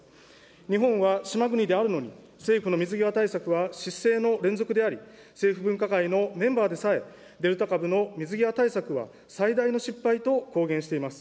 日本は島国であるのに、政府の水際対策は失政の連続であり、政府分科会のメンバーでさえ、デルタ株の水際対策は最大の失敗と公言しています。